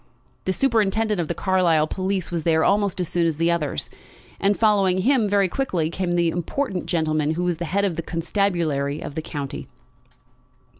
The superintendent of the Carlisle police was there almost as soon as the others; and following him very quickly came the important gentleman who was the head of the constabulary of the county.